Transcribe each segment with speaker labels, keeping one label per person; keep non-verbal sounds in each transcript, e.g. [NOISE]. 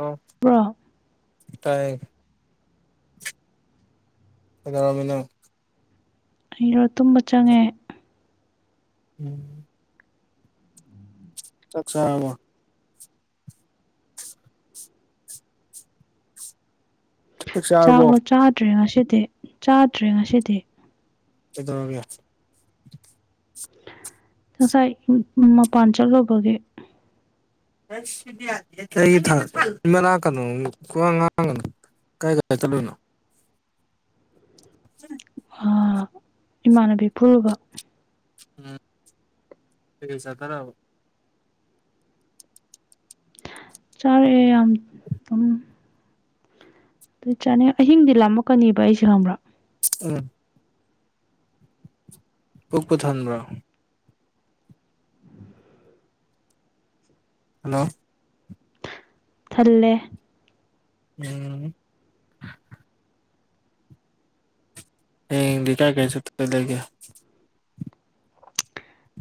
Speaker 1: ꯑꯥ
Speaker 2: ꯄꯨ꯭ꯔꯣ
Speaker 1: ꯇꯥꯏ ꯑꯦꯗꯔꯃꯤꯅ
Speaker 2: ꯑꯩꯔꯣ ꯇꯨꯝꯕ ꯆꯪꯉꯦ
Speaker 1: ꯎꯝ ꯆꯥꯥ ꯆꯥꯛ ꯆꯥꯔꯕꯣ
Speaker 2: ꯆꯥꯛꯂꯣ ꯆꯥꯗ꯭ꯔꯦ ꯉꯁꯤꯗꯤ ꯆꯥꯗ꯭ꯔꯦ ꯉꯁꯤꯗꯤ
Speaker 1: ꯆꯗꯒꯦ
Speaker 2: ꯉꯁꯥꯏ ꯃꯄꯥꯟ ꯆꯠꯂꯨꯕꯒꯤ
Speaker 1: ꯊ ꯃꯅꯥ ꯀ ꯀ ꯉꯒ ꯀꯥꯏ ꯀꯒꯥ ꯆꯠꯂꯣꯏꯅꯣ ꯎꯝ
Speaker 2: ꯏꯃꯥꯟꯅꯕꯤ ꯄꯨꯔꯨꯕ
Speaker 1: ꯎꯝ ꯄꯩꯁ ꯈꯔꯥꯎ
Speaker 2: ꯆꯔ ꯑꯦ ꯌꯥꯝ ꯑꯗꯨ ꯆꯥꯅꯤꯡꯉ ꯑꯍꯤꯡꯗꯤ ꯂꯥꯝꯂꯛꯀꯅꯦꯕ ꯑꯩꯁꯦ ꯍꯪꯕ꯭ꯔꯥ
Speaker 1: ꯎꯝ ꯄꯨꯛ ꯄꯨꯊꯟꯕ꯭ꯔꯣ ꯍꯜꯂꯣ
Speaker 2: ꯊꯜꯂꯦ
Speaker 1: ꯎꯝ ꯍꯗꯤ ꯀꯥꯏ ꯀꯩ ꯆ ꯂꯩꯒꯦ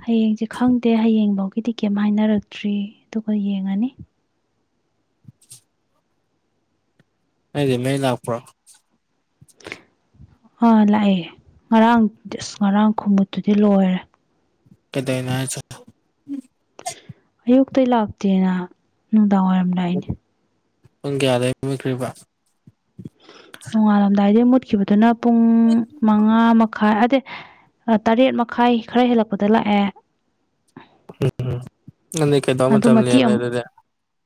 Speaker 2: ꯍꯌꯦꯡꯁꯦ ꯈꯪꯗꯦ ꯍꯌꯦꯡꯐꯧꯒꯤꯗꯤ ꯀꯩꯝ ꯍꯥꯏꯅꯔꯛꯇ꯭ꯔꯤ ꯑꯗꯨꯒ ꯌꯦꯡꯉꯅꯤ
Speaker 1: ꯑꯩꯗꯤ ꯃꯩ ꯂꯥꯛꯄ꯭ꯔꯣ
Speaker 2: ꯑꯥ ꯂꯥꯛꯑꯦ ꯉꯔꯥꯡꯗꯤ ꯑꯁ ꯉꯔꯥꯡ ꯈꯣꯡꯃꯨꯠꯇꯨꯗꯤ ꯂꯣꯏꯔꯦ
Speaker 1: ꯀꯗꯅ
Speaker 2: ꯑꯌꯨꯛꯇ ꯂꯥꯛꯇꯦꯅ ꯅꯨꯡꯗꯥꯡꯋꯥꯏꯔꯝ ꯂꯥꯛꯏꯅꯦ
Speaker 1: ꯄꯨꯡ ꯀꯌꯥꯗ ꯌꯕꯤꯈ꯭ꯔꯤꯕ
Speaker 2: ꯅꯣꯡꯉꯥꯜꯂꯝꯗꯥꯏꯗ ꯃꯨꯠꯈꯤꯕꯗꯨꯅ ꯄꯨꯡ ꯃꯉꯥ ꯃꯈꯥꯏ ꯑꯗꯩ ꯇꯔꯦꯠ ꯃꯈꯥꯏ ꯈꯔ ꯍꯦꯜꯂꯛꯄꯗ ꯂꯥꯛꯑꯦ
Speaker 1: ꯎꯝꯝ ꯅ
Speaker 2: ꯑꯗꯨꯗ ꯃꯇꯤ ꯑꯃ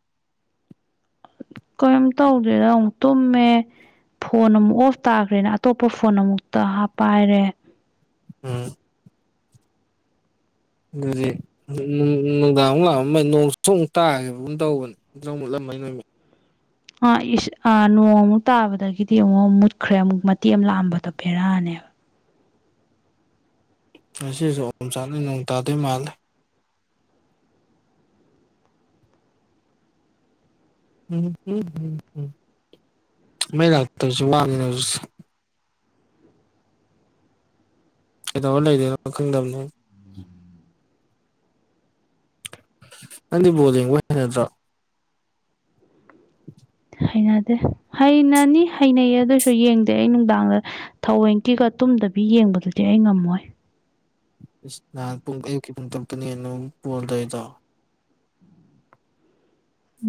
Speaker 1: [INAUDIBLE]
Speaker 2: ꯀꯔꯤꯝ ꯇꯧꯗꯦꯗ ꯑꯃꯨꯛ ꯇꯨꯝꯃꯦ ꯐꯣꯟ ꯑꯃꯨꯛ ꯑꯣꯐ ꯇꯥꯈ꯭ꯔꯦꯅ ꯑꯇꯣꯞꯄ ꯐꯣꯟ ꯑꯃꯨꯛꯇ ꯍꯥꯞꯄꯥꯏꯔꯦ
Speaker 1: ꯎꯝ ꯑꯗꯨꯗꯤ ꯅꯨꯡꯗꯥꯡꯃꯨꯛ ꯂꯥꯛꯑ ꯅꯣꯡ ꯁꯨꯛ ꯇꯥꯈꯤꯕꯒꯨꯝ ꯇꯧꯕꯅꯦ ꯃꯨꯠꯂꯝꯃꯅ
Speaker 2: ꯑꯥ ꯅꯣꯡꯃꯨꯛ ꯇꯥꯕꯗꯒꯤꯗꯤ ꯑꯃꯨꯛ ꯃꯨꯠꯈ꯭ꯔꯦ ꯑꯃꯨꯛ ꯃꯇꯦꯛ ꯑꯃ ꯂꯥꯛꯑꯝꯕꯗꯣ ꯄꯦꯔꯥꯅꯦꯕ
Speaker 1: ꯉꯁꯤꯁꯨ ꯑꯍꯝ ꯆꯥꯅꯩ ꯅꯣꯡ ꯇꯥꯗꯣꯏ ꯃꯥꯂꯦ ꯃꯩ ꯂꯥꯛ ꯇꯁꯨ ꯋꯥꯅ ꯀꯩꯗꯧ ꯂꯩꯗꯦꯅ ꯈꯪꯗꯕꯅꯦ ꯑꯗꯨꯗꯤ ꯣꯜ ꯌꯦꯡꯕ ꯍꯥꯏ ꯅꯠꯇ꯭ꯔꯣ [INAUDIBLE]
Speaker 2: ꯍꯩꯅꯗꯦ ꯍꯩꯅꯅꯤ ꯍꯩꯅꯩꯌꯦ ꯑꯗꯨꯁꯨ ꯌꯦꯡꯗꯦ ꯑꯩ ꯅꯨꯡꯗꯥꯡꯗ ꯊꯋꯡꯒꯤꯒ ꯇꯨꯝꯗꯕꯤ ꯌꯦꯡꯕꯗꯨꯗꯤ ꯑꯩ ꯉꯝꯃꯣꯏ
Speaker 1: ꯏꯁ ꯅꯍꯥꯟ ꯄꯨꯡ ꯑꯌꯨꯛꯀꯤ ꯄꯨꯡ ꯇꯔꯨꯛꯇꯅꯦꯅ ꯑꯗꯨꯨ ꯄꯣꯜꯗꯧꯣꯏꯗꯣ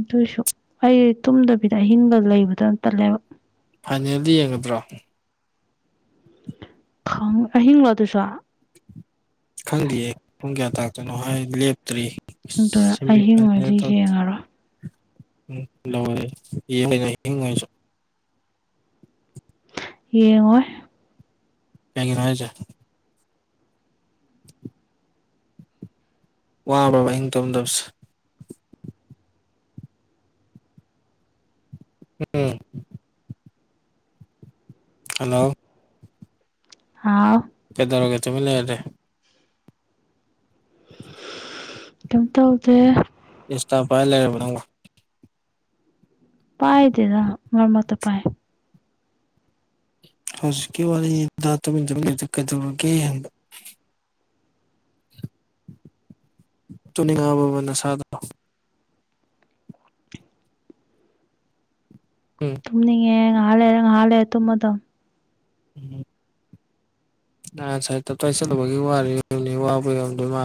Speaker 2: ꯑꯗꯨꯏꯁꯨ ꯑꯩ ꯇꯨꯝꯗꯕꯤꯗ ꯑꯍꯤꯡꯕ ꯂꯩꯕꯗꯇꯂꯦꯕ
Speaker 1: ꯐꯥꯏꯅꯦꯜꯗ ꯌꯦꯡꯒꯗ꯭ꯔꯣ
Speaker 2: ꯪ ꯑꯍꯤꯡꯡꯂꯣ ꯑꯗꯨꯁꯨ
Speaker 1: ꯈꯪꯗꯦꯌꯦ ꯄꯨꯡ ꯀꯌꯥ ꯇꯥꯛꯇꯣꯏꯅꯣ ꯍꯥꯏ ꯂꯦꯞꯇ꯭ꯔꯤ
Speaker 2: ꯑꯗꯨ
Speaker 1: ꯁꯦꯃꯤ
Speaker 2: ꯑꯍꯤꯡ
Speaker 1: ꯐꯥꯏꯅꯦꯜ
Speaker 2: ꯑꯣꯏꯗꯤ
Speaker 1: ꯇꯧ
Speaker 2: ꯌꯦꯡꯉꯔꯣ
Speaker 1: ꯎꯝ ꯂꯔ ꯌꯦꯉꯉꯁꯨ
Speaker 2: ꯌꯦꯡꯉꯣꯏ
Speaker 1: ꯀꯒꯤꯅꯣ ꯍꯥꯏꯖꯦ [INAUDIBLE] ꯋꯥꯕ꯭ꯔꯕ ꯑꯩꯅ ꯇꯣꯝꯗꯕꯁꯦ ꯎꯝ ꯍꯜꯂꯣ
Speaker 2: ꯑꯥꯎ
Speaker 1: ꯀꯩꯗꯧꯔꯒꯦ ꯆꯃꯤ ꯂꯩꯔꯔꯦ [INAUDIBLE]
Speaker 2: ꯀꯩꯝ ꯇꯧꯗꯦ
Speaker 1: ꯏꯁꯁꯇꯐꯥꯏ ꯂꯩꯔꯕ ꯅꯣ
Speaker 2: ꯄꯥꯏꯗꯦꯗ ꯃꯔ ꯃ ꯄꯥꯏ
Speaker 1: ꯍꯧꯖꯤꯛꯀꯤ ꯋꯥꯔꯤꯅꯤ ꯇꯃꯤ ꯀꯩꯗꯧꯔꯒꯦꯕ ꯇꯅꯤꯡꯉꯕꯕꯅ ꯁꯥꯗ ꯎꯝ
Speaker 2: ꯇꯨꯝꯉ ꯌꯦ ꯍꯥꯥꯂꯦ ꯍꯥꯂꯦ ꯇꯨꯝꯃꯗꯣ
Speaker 1: ꯎꯝ ꯑ ꯉꯁꯥꯏ ꯇꯇꯣꯏ ꯆꯠꯂꯨꯕꯒꯤ ꯋꯥꯔꯤꯕꯅꯤ ꯋꯥꯕ ꯌꯔꯝꯗꯣꯏ ꯃꯥ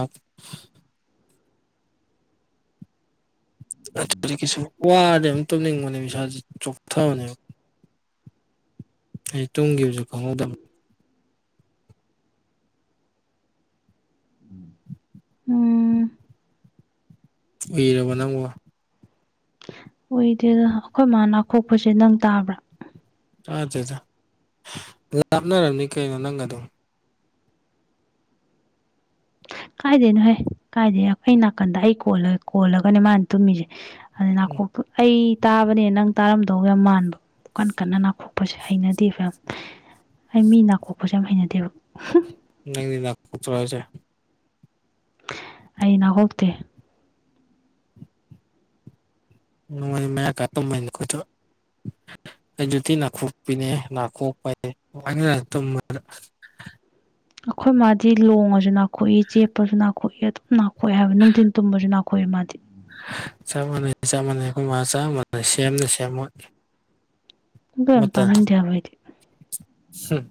Speaker 1: ꯑꯗꯨꯗꯤ ꯀꯁꯨ ꯋꯥꯔꯗꯤ ꯑꯝ ꯇꯧꯅꯤꯡꯕꯅꯦ ꯏꯁꯥꯥꯁꯦ ꯆꯣꯛꯊꯕꯅꯦꯕ ꯑꯩ ꯇꯨꯡꯒꯤ ꯑꯣꯏꯁꯨ ꯈꯪꯍꯧꯗꯕꯅꯦ [INAUDIBLE]
Speaker 2: ꯎꯝ
Speaker 1: ꯎꯏꯔꯕ ꯅꯪꯕꯨ
Speaker 2: ꯑꯣꯏꯗꯦ ꯑꯗ ꯑꯩꯈꯣꯏ ꯃꯥꯅꯅꯥ ꯈꯣꯛꯄꯁꯦ ꯅꯪ ꯇꯥꯕ꯭ꯔꯥ
Speaker 1: ꯆ ꯆꯦ ꯂꯥꯞꯅꯔꯝꯅꯤ ꯀꯩꯅꯣ ꯅꯪꯒ ꯑꯗꯨꯝ
Speaker 2: ꯀꯥꯏꯗꯦꯅꯣꯍꯦ ꯀꯥꯏꯗꯦ ꯑꯩ ꯅꯥꯀꯟꯗ ꯑꯩ ꯀꯣꯂ ꯀꯣꯜꯂꯒꯅꯦ ꯃꯥꯅ ꯇꯨꯝꯃꯤꯁꯦ ꯑꯗꯩ
Speaker 1: ꯎꯝ
Speaker 2: ꯅꯥꯀꯣꯛꯇꯨ ꯑꯩ ꯇꯥꯕꯅꯦ ꯅꯪ ꯇꯥꯔꯝꯗꯧ ꯌꯥꯝ ꯃꯥꯟꯕ ꯀꯟ ꯀꯟꯅ ꯅꯥꯀꯣꯛꯄꯁꯦ ꯍꯩꯅꯗꯦꯕ ꯌꯥꯝ ꯑꯩ ꯃꯤ ꯅꯥꯀꯣꯛꯄꯁꯦ ꯌꯥꯝ ꯍꯩꯅꯗꯦꯕ
Speaker 1: [UNINTELLIGIBLE]
Speaker 2: ꯑꯩ ꯅꯥꯍꯣꯛꯇꯦ
Speaker 1: [UNINTELLIGIBLE] ꯑꯩꯗꯨꯗꯤ ꯅꯥꯀꯣꯛꯄꯤꯅꯦ ꯅꯥꯀꯣꯛꯄ ꯇꯨꯝꯗ
Speaker 2: ꯑꯩꯈꯣꯏ ꯃꯥꯗꯤ ꯂꯣꯡꯉꯁꯨ ꯅꯥꯀꯣꯛꯏ ꯆꯦꯞꯄꯁꯨ ꯅꯥꯀꯣꯛꯏ ꯑꯗꯨꯝ ꯅꯥꯀꯣꯛꯏ ꯍꯥꯏꯕ ꯅꯨꯡꯊꯤꯟ ꯇꯨꯝꯕꯁꯨ ꯅꯥꯀꯣꯛꯏ ꯃꯥꯗꯤ
Speaker 1: ꯆꯞ ꯃꯥꯟꯅꯩ ꯆꯞ ꯃꯥꯟꯅꯩ ꯑꯩꯈꯣꯏ ꯆꯞꯃꯅ ꯁꯦꯝꯅ ꯁꯦꯝꯃꯣꯏ
Speaker 2: ꯑꯗꯨ ꯌꯥꯝ ꯇꯥꯅꯤꯡꯗꯦ ꯍꯥꯏꯕ ꯑꯩꯗꯤ
Speaker 1: ꯎꯝ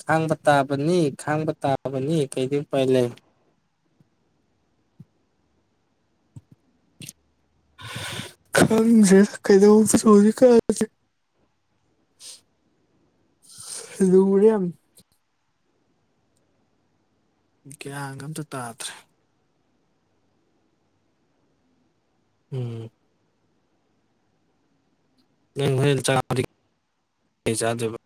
Speaker 1: ꯈꯥꯡꯕ ꯇꯥꯕꯅꯤ ꯈꯥꯡꯕ ꯇꯥꯕꯅꯤ ꯀꯩꯗꯤ ꯄꯥꯏ ꯂꯩ ꯈꯔ ꯀꯩꯗ ꯆ ꯀ ꯑꯗꯨ ꯃꯔꯤ ꯌꯥꯝ ꯀꯌꯥ ꯑꯝꯇ ꯇꯥꯗ꯭ꯔꯦ ꯎꯝ ꯅꯪ ꯍꯣꯔꯦꯟ ꯆꯥ ꯆꯥꯗꯣꯏꯕ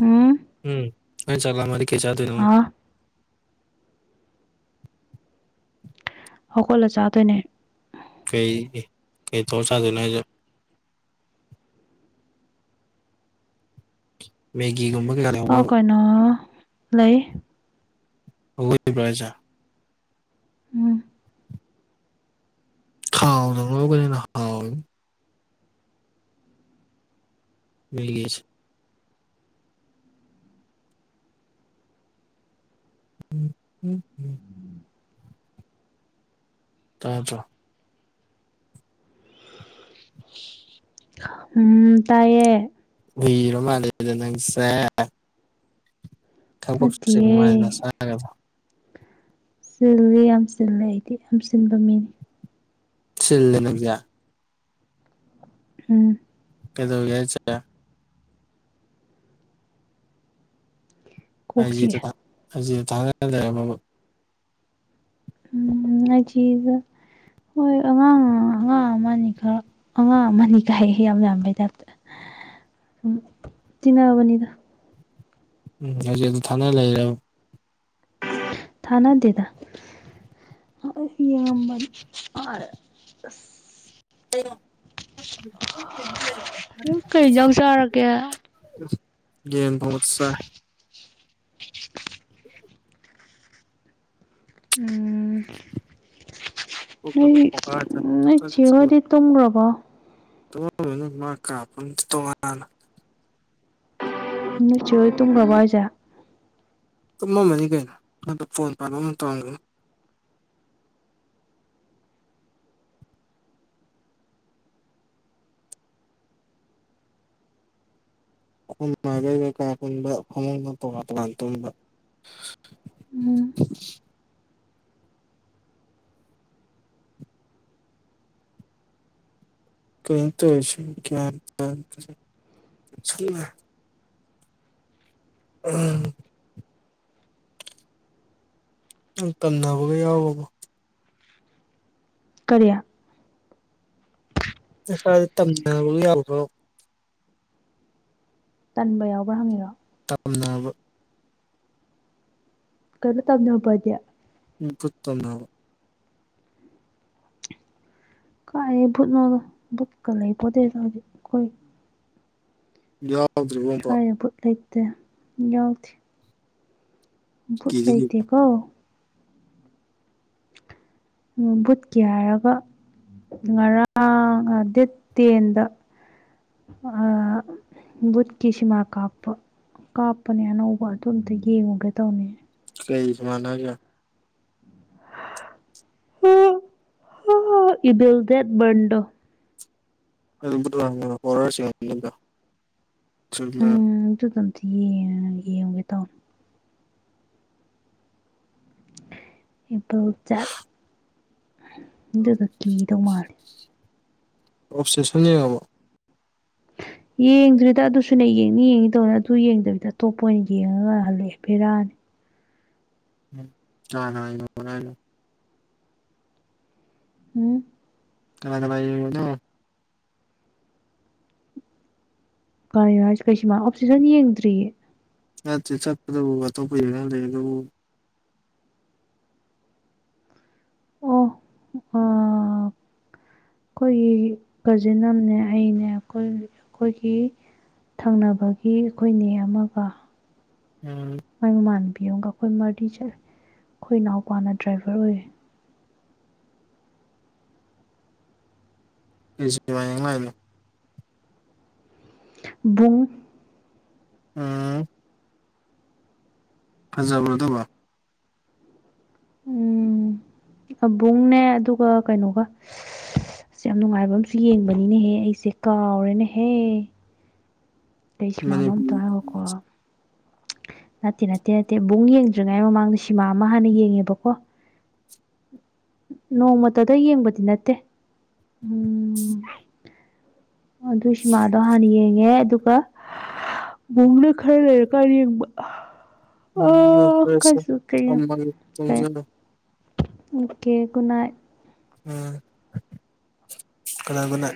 Speaker 2: ꯎꯝ
Speaker 1: ꯎꯝ ꯍꯣꯔꯦꯟ ꯆꯥꯛ ꯂꯝꯃꯛ ꯑꯗꯤ ꯀꯩ ꯆꯥꯗꯣꯏꯅꯣ
Speaker 2: ꯍꯥ ꯍꯧꯒꯇꯂꯥ ꯆꯥꯗꯣꯏꯅꯦ
Speaker 1: ꯀꯩ ꯀꯩ ꯇꯧꯔꯥ ꯆꯥꯗꯣꯏꯅꯣ ꯍꯥꯏ ꯃꯦꯒꯤꯒꯨꯝꯕ ꯀꯩꯀꯥ
Speaker 2: ꯑꯣ
Speaker 1: ꯂꯩꯍꯧꯕ꯭ꯔꯕ
Speaker 2: ꯀꯣꯏꯅꯣ ꯂꯩ
Speaker 1: [UNINTELLIGIBLE]
Speaker 2: ꯎꯝ
Speaker 1: ꯈꯥꯎ ꯅ ꯀꯩꯅꯅ ꯈꯥꯎ ꯃꯤꯒꯁꯤ ꯎꯝ ꯎꯝ ꯎꯝ ꯇꯥꯗꯔꯣ
Speaker 2: ꯎ ꯇꯥꯏꯌꯦ
Speaker 1: ꯎꯏꯔ ꯃꯜꯂꯦꯗꯥ ꯅꯡꯁꯦ ꯊꯕꯛ ꯆ ꯃꯥꯥꯏꯅ
Speaker 2: ꯅꯠꯇꯤꯌꯦ
Speaker 1: ꯁꯥꯡꯕ
Speaker 2: ꯆꯤꯜꯂꯤ ꯌꯥꯝ ꯆꯂꯦ ꯑꯩꯗꯤ ꯌꯥꯝ ꯆꯟꯕ ꯃꯤꯅꯤ
Speaker 1: ꯁꯤꯜꯂ ꯂꯅꯨꯡꯖꯌꯥ
Speaker 2: ꯎꯝ
Speaker 1: ꯀꯩꯗꯧꯔꯒꯦ ꯍꯥꯏꯁꯦ
Speaker 2: ꯀꯣꯛ
Speaker 1: ꯑꯥꯏꯖꯤ ꯗ
Speaker 2: ꯆꯤꯛꯑꯦ
Speaker 1: ꯊꯥꯒꯇꯂꯥ ꯂꯩꯔꯕꯔ꯭ꯕ
Speaker 2: ꯎꯝ ꯑꯩꯁꯤꯗ ꯍꯣꯏ ꯑꯉꯥꯡ ꯑꯉꯥꯡ ꯑꯃꯅꯤ ꯈꯔ ꯑꯉꯥꯡ ꯑꯃꯅꯤꯅꯤ ꯀꯥꯏ ꯌꯥꯝ ꯌꯥꯝꯕꯩ ꯇꯥꯏꯞꯇ ꯁꯨꯝ ꯇꯤꯟꯅꯕꯅꯤꯗ
Speaker 1: ꯎꯝ ꯍꯧꯖꯤꯛ ꯑꯗꯨ ꯊꯅ ꯂꯩꯔꯦ
Speaker 2: ꯊꯅ ꯗꯦꯗ ꯌꯦꯡꯉꯝꯕꯅꯤ ꯋꯔꯦ
Speaker 1: ꯀꯩꯅꯣ
Speaker 2: ꯅꯡ ꯀꯩ ꯑꯦꯟꯖꯥꯡ ꯆꯔꯒꯦ
Speaker 1: ꯌꯦꯟ ꯊꯣꯡꯕ ꯆꯥꯏ
Speaker 2: [INAUDIBLE] ꯎꯝ
Speaker 1: ꯄꯨꯛꯀꯗꯣ ꯄꯣꯈꯥꯏ ꯆꯥꯏ
Speaker 2: ꯅꯣꯏ
Speaker 1: ꯆꯥꯛꯆꯥ
Speaker 2: ꯆꯦꯒꯥꯗꯤ ꯇꯨꯝꯒꯔꯕꯣ
Speaker 1: ꯇꯨꯝꯝꯃꯅꯤ ꯃꯥ ꯇꯣꯉꯥꯟꯕ ꯀꯗ
Speaker 2: ꯅꯣꯏ ꯆꯦ ꯍꯣꯌ ꯇꯨꯃꯒꯔꯕꯣ ꯍꯥꯌꯁꯦ
Speaker 1: ꯀꯨꯝꯃꯝꯃꯅꯤ ꯀꯩꯅꯣ ꯅꯣꯟꯗ ꯐꯣꯟ ꯄꯥ ꯑꯃꯝ ꯇꯧꯔꯝꯒꯅꯤ ꯑꯈꯣꯏ ꯃꯒꯥ ꯑꯈꯣꯌ ꯕꯒꯥ ꯇꯨꯝꯕꯥ ꯐꯥꯃꯨꯡꯅ ꯇꯣꯉꯥꯟ ꯇꯣꯉꯥꯟ ꯇꯨꯝꯕꯥ
Speaker 2: ꯎꯝ
Speaker 1: [UNINTELLIGIBLE] [UNINTELLIGIBLE] ꯎꯝ ꯅꯪ ꯇꯟꯅꯕꯒ ꯌꯥꯎꯕꯕꯣ
Speaker 2: ꯀꯌꯥ
Speaker 1: ꯗꯤ ꯇꯝꯅꯕ ꯌꯥꯈ꯭ꯔꯣ
Speaker 2: ꯇꯟꯕ ꯌꯥꯎꯕ꯭ꯔꯥ ꯍꯪꯉꯔꯣ
Speaker 1: ꯇꯝꯅꯕ
Speaker 2: ꯀꯟꯅꯣ ꯇꯝꯅꯕꯅꯕꯗꯤꯦ
Speaker 1: [UNINTELLIGIBLE]
Speaker 2: ꯀꯥꯏꯗꯩꯩ ꯕꯨꯠꯅꯣꯒ ꯕꯨꯠꯀ ꯂꯩꯄꯣꯠꯇꯦꯗ ꯍꯧꯖꯤꯛ ꯑꯩꯈꯣꯏ
Speaker 1: ꯌꯣ
Speaker 2: ꯁꯋꯥꯏꯗ ꯕꯨꯠ ꯂꯩꯇꯦ ꯌꯥꯎꯗꯦ ꯕꯨꯠ
Speaker 1: ꯀꯤꯗꯤ ꯀꯤꯕ
Speaker 2: ꯂꯩꯗꯤꯀꯣ ꯕꯨꯨꯠꯀꯤ ꯍꯥꯏꯔꯒ ꯉꯔꯥꯡ ꯗꯦꯠ ꯇꯦꯟꯗ ꯑ ꯕꯨꯠꯀꯤꯤꯁꯃꯥ ꯀꯥꯞꯄ ꯀꯥꯞꯄꯅꯦ ꯑꯅꯧꯕ ꯑꯗꯨ ꯑꯝꯇ ꯌꯦꯡꯉꯨꯒꯦ ꯇꯧꯅꯤ
Speaker 1: ꯀꯩ ꯁꯃꯅꯒ
Speaker 2: ꯏꯕꯜ ꯗꯦꯠ ꯟꯗꯣ
Speaker 1: ꯍꯣꯔꯁꯤ
Speaker 2: ꯎꯝ ꯑꯗꯨꯗ ꯑꯝꯇ ꯌꯦ ꯌꯦꯡꯉꯨꯒꯦ ꯇꯧꯅꯦ ꯑꯦꯄꯜ ꯆꯠ ꯑꯗꯨꯒ ꯀꯤꯗꯧ ꯃꯥꯜꯂꯤꯦ
Speaker 1: ꯑꯣꯞꯖꯦꯛꯁꯟ ꯌꯦꯡꯉꯕ
Speaker 2: ꯌꯦꯡꯗ꯭ꯔꯤꯗ ꯑꯗꯨꯁꯨꯅꯦ ꯌꯦꯡꯅꯤ ꯌꯦꯡꯉ ꯇꯧꯅ ꯑꯗꯨ ꯌꯦꯡꯗꯕꯤꯗ ꯑꯇꯣꯞꯄ ꯑꯣꯏꯅ ꯌꯦꯡꯉꯒ ꯍꯜꯂꯛꯑꯦ ꯕꯦꯔꯥꯅꯤ
Speaker 1: ꯍ ꯂꯣꯏꯅ
Speaker 2: ꯎꯝ
Speaker 1: ꯀꯦ ꯀꯦꯂꯣ
Speaker 2: ꯀ ꯀꯩꯁꯤꯃ ꯑꯣꯞꯁꯤꯁꯟ ꯌꯦꯡꯗ꯭ꯔꯤꯌꯦ
Speaker 1: ꯅꯠꯇꯦ ꯆꯠꯄꯗꯕꯨ ꯑꯇꯣꯞꯄ ꯌ ꯂꯩ ꯑꯗꯨꯕꯨ
Speaker 2: ꯑꯣ ꯑ ꯑꯩꯈꯣꯏꯒꯤ ꯀꯖꯤꯟ ꯑꯃꯅꯦ ꯑꯩꯅꯦ ꯑꯩꯈꯣꯏ ꯑꯩꯈꯣꯏꯒꯤ ꯊꯪꯅꯕꯒꯤ ꯑꯩꯈꯣꯏꯅꯦ ꯑꯃꯒ
Speaker 1: ꯎꯝ
Speaker 2: ꯃꯥꯏ ꯃꯃꯥꯟꯅꯕꯤ ꯑꯃꯨꯒ ꯑꯩꯈꯣꯏ ꯃꯔꯗꯤ ꯆꯠꯂꯦ ꯑꯩꯈꯣꯏ ꯏꯅꯥꯎꯄꯥꯅ ꯗ꯭ꯔꯥꯏꯚꯔ ꯑꯣꯏꯌꯦ
Speaker 1: ꯑ
Speaker 2: ꯕꯨꯡ
Speaker 1: ꯎꯝ ꯍꯖꯕ꯭ꯔꯗꯕ
Speaker 2: ꯎꯝ
Speaker 1: [INAUDIBLE]
Speaker 2: ꯑꯕꯨꯡꯅꯦ ꯑꯗꯨꯒ ꯀꯩꯅꯣꯒ ꯑꯁ ꯌꯥꯝ ꯅꯨꯡꯉꯥꯏꯕ ꯑꯝꯨ ꯌꯦꯡꯕꯅꯤꯅꯍꯦ ꯑꯩꯁꯦ ꯀꯥꯎꯔꯦꯅꯦꯍꯦ ꯀꯩꯁꯃꯅꯣ ꯇ
Speaker 1: ꯎꯝ
Speaker 2: ꯅꯠꯇꯦ ꯅꯠꯇꯦ ꯅꯠꯇꯦ ꯏꯕꯨꯡ ꯌꯦꯡꯗ꯭ꯔꯤꯉꯩ ꯃꯃꯥꯡꯗ ꯁꯤꯃꯥ ꯑꯃ ꯍꯥꯟꯅ ꯌꯦꯡꯉꯦꯕꯀꯣ ꯅꯣꯡꯃꯇꯗ ꯌꯦꯡꯕꯗꯤ ꯅꯠꯇꯦ ꯎꯝ ꯑꯗꯨ ꯁꯤꯃꯥꯗꯣ ꯍꯥꯟꯅ ꯌꯦꯡꯉꯦ ꯑꯗꯨꯒ ꯕꯨꯡꯅ ꯈꯔ ꯂꯩꯔꯀꯥꯟꯗ ꯌꯦꯡꯕ ꯑ
Speaker 1: ꯎꯝ ꯐꯁ
Speaker 2: ꯀꯩꯁꯨ ꯀꯩ
Speaker 1: ꯊꯃ ꯇꯨꯝꯖꯅꯨ
Speaker 2: ꯎ ꯀꯦ ꯈꯨꯅꯥ
Speaker 1: ꯎꯝ ꯀꯅꯥꯒꯅꯥ